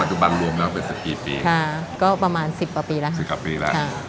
สัตวบันรวมแล้วก็เป็นสิบกี่ปีค่ะก็ประมาณสิบประปีละสิบกว่าปีแหละครับ